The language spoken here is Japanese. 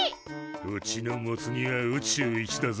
うちのモツ煮は宇宙一だぜ。